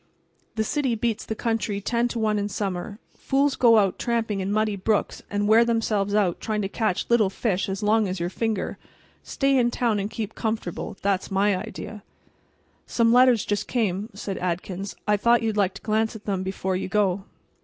"The city beats the country ten to one in summer. Fools go out tramping in muddy brooks and wear themselves out trying to catch little fish as long as your finger. Stay in town and keep comfortable—that's my idea." "Some letters just came," said Adkins. "I thought you might like to glance at them before you go."